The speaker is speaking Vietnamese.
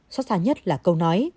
xót xa nhất là câu nói